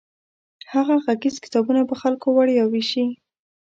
هغه غږیز کتابونه په خلکو وړیا ویشي.